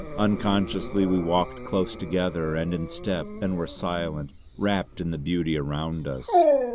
Unconsciously we walked close together and in step; and were silent, wrapt in the beauty around us.